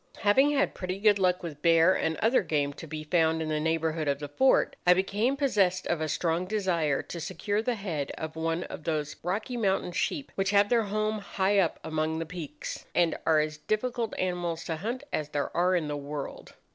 "Having had pretty good luck with bear and other game to be found in the neighbourhood of the fort, I became possessed of a strong desire to secure the head of one of those Rocky Mountain sheep which have their home high up among the peaks, and are as difficult animals to hunt as there are in the world.